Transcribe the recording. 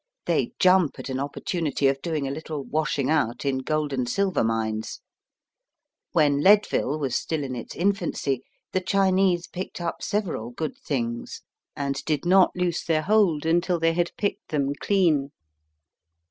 They jump at an opportunity of doing a little washing out in gold and silver mines. When Leadville was still in its infancy the Chinese picked up several good things, and did not loose their Digitized by VjOOQIC IN THE ROCKY MOUNTAINS. 71 hold till they had picked them clean.